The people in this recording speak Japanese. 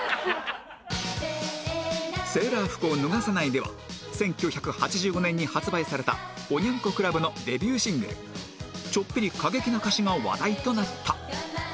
『セーラー服を脱がさないで』は１９８５年に発売されたおニャン子クラブのデビューシングルちょっぴり過激な歌詞が話題となった